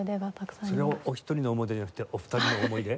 それはお一人の思い出じゃなくてお二人の思い出？